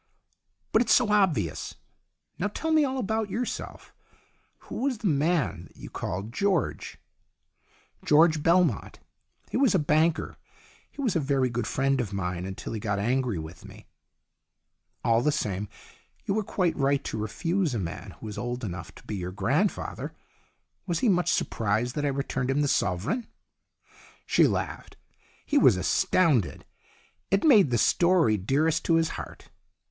"But it's so obvious. Now tell me all about yourself. Who was the man that you called George ?"" George Belmont. He was a banker. He was a very good friend of mine, until he got angry with me." " All the same, you were quite right to refuse a man who was old enough to be your grandfather. Was he much surprised that I returned him the sovereign ?" She laughed. "He was astounded. It made the story dearest to his heart.